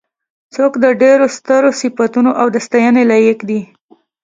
څوک د ډېرو سترو صفتونو او د ستاینې لایق دی.